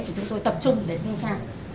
thì chúng tôi tập trung để thanh tra